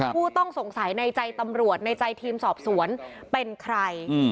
ผู้ต้องสงสัยในใจตำรวจในใจทีมสอบสวนเป็นใคร